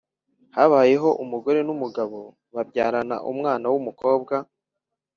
habayeho umugore n’umugabo babyarana umwana w’umukobwa